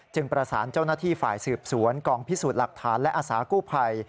ประสานเจ้าหน้าที่ฝ่ายสืบสวนกองพิสูจน์หลักฐานและอาสากู้ภัย